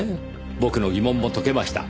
僕の疑問も解けました。